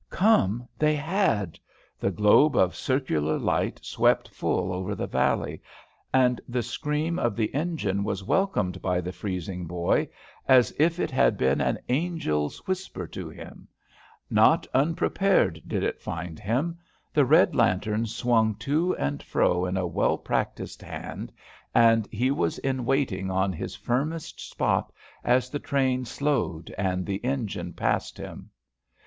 Come they had! The globe of circular light swept full over the valley, and the scream of the engine was welcomed by the freezing boy as if it had been an angel's whisper to him. Not unprepared did it find him. The red lantern swung to and fro in a well practised hand, and he was in waiting on his firmest spot as the train slowed and the engine passed him.